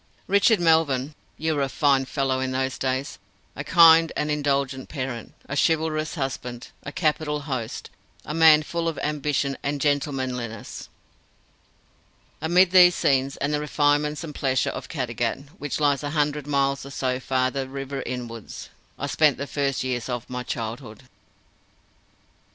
Richard Melvyn, you were a fine fellow in those days! A kind and indulgent parent, a chivalrous husband, a capital host, a man full of ambition and gentlemanliness. Amid these scenes, and the refinements and pleasures of Caddagat, which lies a hundred miles or so farther Riverinawards, I spent the first years of my childhood.